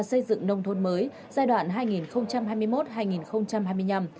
xây dựng nông thôn mới giai đoạn